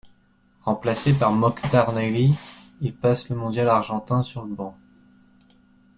Remplacé par Mokhtar Naili, il passe le mondial argentin sur le banc.